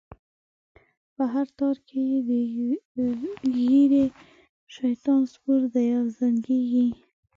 په هر تار کی یې د ږیری؛ شیطان سپور دی او زنګیږی